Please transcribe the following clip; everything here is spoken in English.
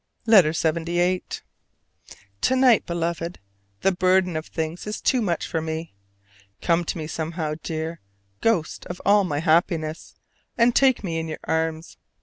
LETTER LXXVIII. To night, Beloved, the burden of things is too much for me. Come to me somehow, dear ghost of all my happiness, and take me in your arms!